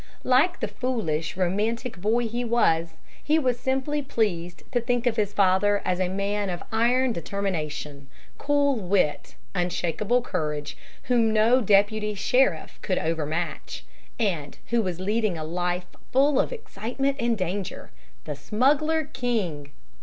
Like the foolish, romantic boy he was, he was simply pleased to think of his father as a man of iron determination, cool wit, unshakable courage, whom no deputy sheriff could over match, and who was leading a life full of excitement and danger the smuggler king!